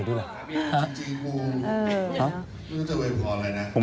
เธอดูเออต้องเบลดูล่ะ